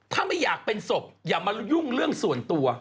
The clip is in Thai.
ถ้าไม่อยากเป็นศพอย่ามายุ่งเรื่องส่วนตัว